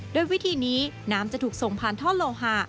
โดยวิธีนี้น้ำจะถูกส่งผ่านท่อโลหะ